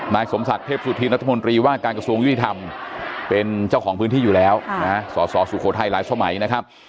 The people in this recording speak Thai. นายสมศักดิ์เทพสุธินรัฐมนตรีว่าการกระทรวงยุติธรรมเป็นเจ้าของพื้นที่อยู่แล้วสสสุโขทัยหลายสมัยนะครับ